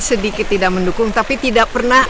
sedikit tidak mendukung tapi tidak pernah